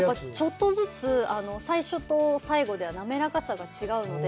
ちょっとずつ、最初と最後じゃ滑らかさが違うので。